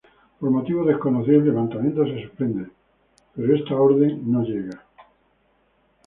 Por motivos desconocidos el levantamiento se suspende pero esa orden no llega a Gral.